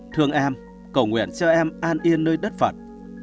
thương em cầu nguyện cho em an yên nơi đất phật